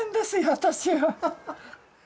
私は。